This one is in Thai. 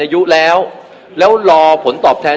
ไม่ว่าจะเป็นท่าน